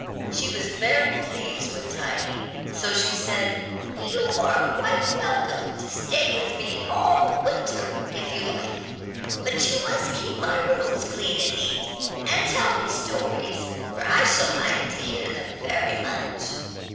She was very pleased with Tiny, so she said, "You are quite welcome to stay with me all the winter, if you like; but you must keep my rooms clean and neat, and tell me stories, for I shall like to hear them very much."